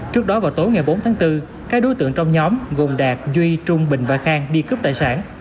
trước đó vào tối ngày bốn tháng bốn các đối tượng trong nhóm gồm đạt duy trung bình và khang đi cướp tài sản